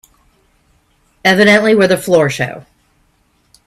Evidently we're the floor show.